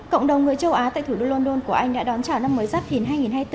cộng đồng người châu á tại thủ đô london của anh đã đón chào năm mới giáp thìn hai nghìn hai mươi bốn